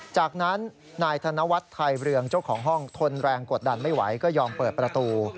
จากนั้นนายธนวัฒน์ไทยเรืองเจ้าของห้องทนแรงกดดันไม่ไหวก็ยอมเปิดประตู